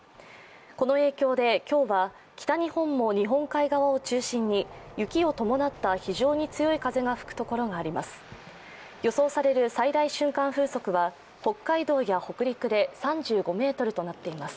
この影響で今日は、北日本の日本海側を中心に雪を伴った非常に強い風が吹くところがあります。